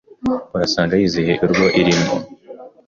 Usanga yizihiye urwo irimwo